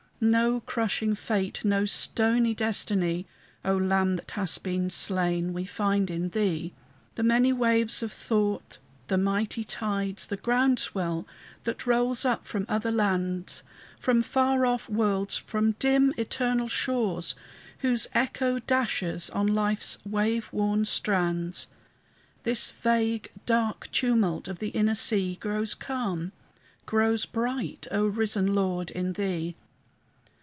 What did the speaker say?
No crushing fate, no stony destiny, O Lamb that hast been slain, we find in thee! The many waves of thought, the mighty tides, The ground swell that rolls up from other lands, From far off worlds, from dim, eternal shores, Whose echo dashes on life's wave worn strands, This vague, dark tumult of the inner sea Grows calm, grows bright, O risen Lord, in thee!